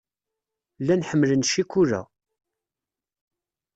Llan ḥemmlen ccikula.